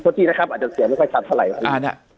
ที่นะครับอาจจะเสียไม่ค่อยชัดเท่าไหร่